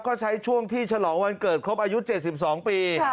ก็ใช้ช่วงที่ฉลองวันเกิดครบอายุ๗๒ปี